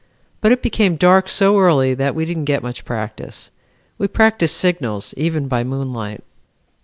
but it became dark so early that we didn't get much practice. We practiced signals even by moonlight.